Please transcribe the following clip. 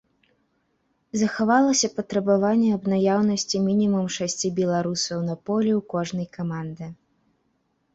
Захавалася патрабаванне аб наяўнасці мінімум шасці беларусаў на полі ў кожнай каманды.